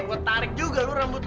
gue tarik juga lo rambut lo